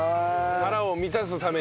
腹を満たすために。